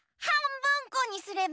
ぶんこにすれば？